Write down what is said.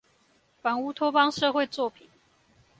反烏托邦社會作品